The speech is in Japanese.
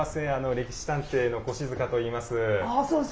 「歴史探偵」の越塚といいます。